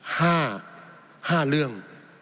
ห้าห้าเรื่อง